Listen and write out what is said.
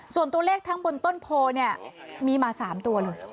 ส่วนตัวเลขทั้งบนต้นโพเนี่ยมีมา๓ตัวเลย